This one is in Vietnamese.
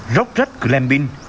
rốc rất cửa lèm binh